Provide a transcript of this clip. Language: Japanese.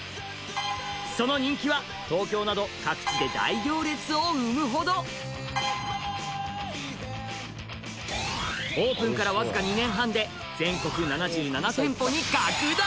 その人気は東京など各地で大行列を生むほどオープンからわずか２年半で全国７７店舗に拡大！